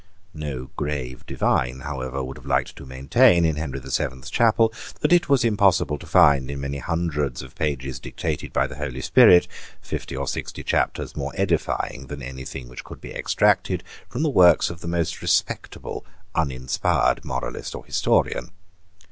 No grave divine however would have liked to maintain, in Henry the Seventh's Chapel, that it was impossible to find, in many hundreds of pages dictated by the Holy Spirit, fifty or sixty chapters more edifying than any thing which could be extracted from the works of the most respectable uninspired moralist or historian.